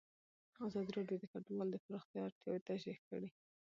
ازادي راډیو د کډوال د پراختیا اړتیاوې تشریح کړي.